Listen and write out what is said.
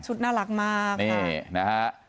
ชุดน่ารักมากค่ะ